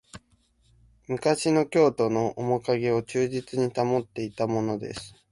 昔の京都のおもかげを忠実に保っていたものです